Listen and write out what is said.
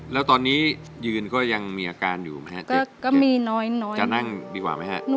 โลกนี้มันทรมาน